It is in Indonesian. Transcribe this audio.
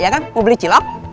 iya kan mau beli cilok